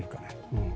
うん。